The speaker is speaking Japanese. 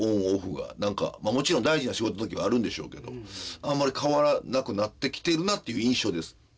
もちろん大事な仕事の時はあるんでしょうけどあんまり変わらなくなってきてるなっていう印象です。